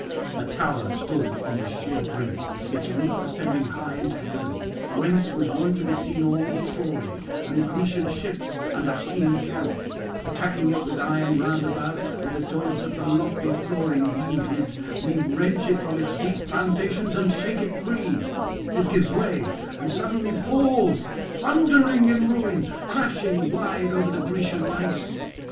A tower stood on the sheer brink, its roof ascending high into heaven, whence was wont to be seen all Troy and the Grecian ships and Achaean camp: attacking it with iron round about, where the joints of the lofty flooring yielded, we wrench it from its deep foundations and shake it free; it gives way, and [466 498]suddenly falls thundering in ruin, crashing wide over the Grecian ranks.